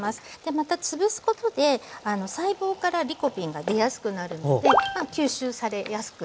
またつぶすことで細胞からリコピンが出やすくなるので吸収されやすくなるってことなんですね。